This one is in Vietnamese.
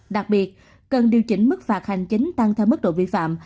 đặc biệt cần điều chỉnh mức phạt hành chính tăng theo mức độ vi phạm